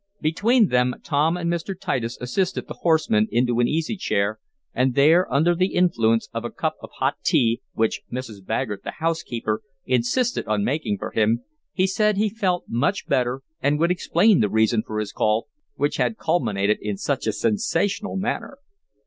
Between them Tom and Mr. Titus assisted the horseman into an easy chair, and there, under the influence of a cup of hot tea, which Mrs. Baggert, the housekeeper, insisted on making for him, he said he felt much better, and would explain the reason for his call which had culminated in such a sensational manner.